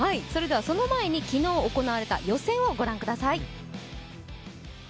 その前に昨日行われた予選をご覧ください。